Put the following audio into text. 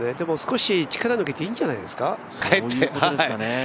少し、力が抜けていいんじゃないですかね。